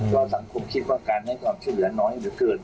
สังคมคิดว่าการให้ความช่วยเหลือน้อยเหลือเกิน